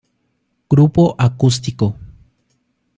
Grupo acústico.